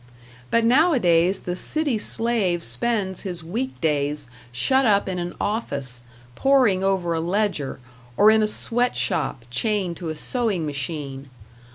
But nowadays the city slave spends his week days shut up in an office, poring over a ledger, or in a sweat shop, chained to a sewing machine.